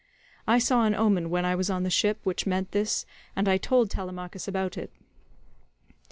I saw an omen when I was on the ship which meant this, and I told Telemachus about it."